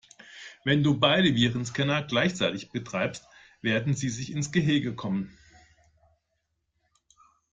Wenn du beide Virenscanner gleichzeitig betreibst, werden sie sich ins Gehege kommen.